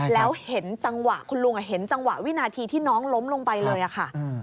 แล้วเห็นจังหวะคุณลุงเห็นจังหวะวินาทีที่น้องล้มลงไปเลยค่ะ